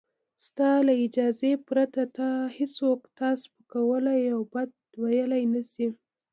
ستا له اجازې پرته هېڅوک تا سپکولای او بد ویلای نشي.